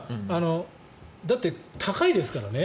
だって、高いですからね。